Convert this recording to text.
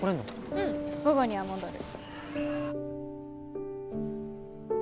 うん午後には戻る。